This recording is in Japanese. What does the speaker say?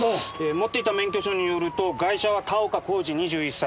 持っていた免許証によると被害者は田岡耕治２１歳。